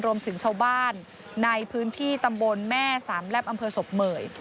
รวมถึงชาวบ้านในพื้นที่ตำบลแม่สามแลบอำเภอศพเหมย